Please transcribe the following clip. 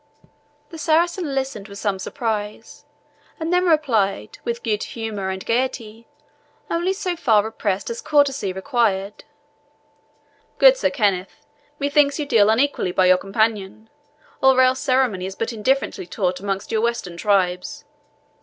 The Saracen listened with some surprise, and then replied, with good humour and gaiety, only so far repressed as courtesy required, "Good Sir Kenneth, methinks you deal unequally by your companion, or else ceremony is but indifferently taught amongst your Western tribes.